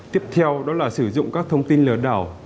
tiếp theo đó là sử dụng các thông tin lừa đảo